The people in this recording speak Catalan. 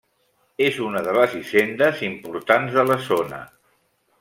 És una de les hisendes importants de la zona.